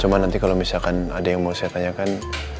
cuma nanti kalau misalkan ada yang mau saya tanyakan